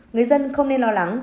bốn người dân không nên lo lắng